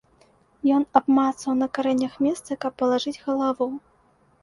Ён абмацаў на карэннях месца, каб палажыць галаву.